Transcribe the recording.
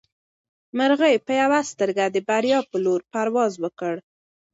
مرغۍ په یوه سترګه د بریا په لور پرواز وکړ.